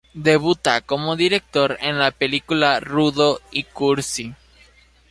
Debuta como director en la película "Rudo y Cursi".